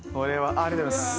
ありがとうございます。